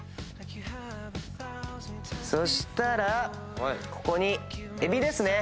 そしたらここにエビですね。